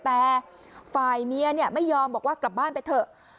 แต่ฝ่ายเมียไม่ยอมบอกว่ากลับบ้านไปเถอะ